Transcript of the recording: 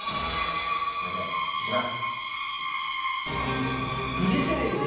これでいきます。